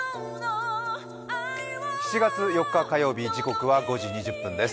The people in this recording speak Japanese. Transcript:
７月４日、火曜日、時刻は５時２０分です